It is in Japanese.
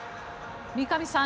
三上さん